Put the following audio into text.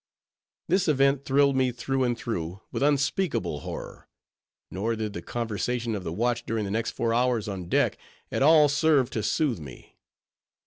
This event thrilled me through and through with unspeakable horror; nor did the conversation of the watch during the next four hours on deck at all serve to soothe me.